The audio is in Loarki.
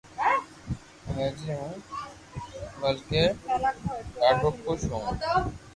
راجي ھون بلڪي ڌادو خوݾ ھون